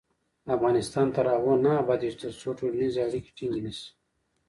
افغانستان تر هغو نه ابادیږي، ترڅو ټولنیزې اړیکې ټینګې نشي.